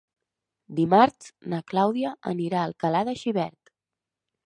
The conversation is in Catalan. Dimarts na Clàudia anirà a Alcalà de Xivert.